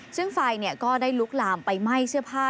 ซึ่งไฟก็ได้ลุกลามไปไหม้เสื้อผ้า